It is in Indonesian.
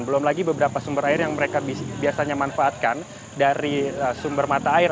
belum lagi beberapa sumber air yang mereka biasanya manfaatkan dari sumber mata air